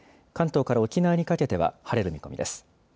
関東から沖縄にかけては晴れる見込みです。